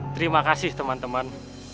terima kasih teman teman